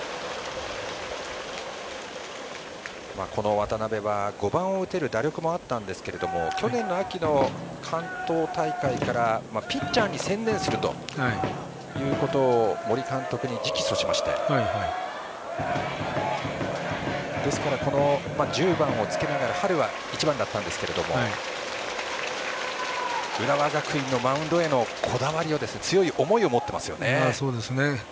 渡邉は５番を打てる打力もあったんですが去年の秋の関東大会からピッチャーに専念するということを森監督に直訴しましてですから１０番をつけながら春は１番だったんですが浦和学院のマウンドへのこだわりを強い思いを持っていますよね。